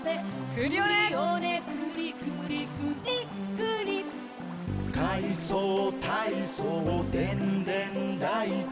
「クリオネクリクリ」「クリックリ」「かいそうたいそうでんでんだいこ」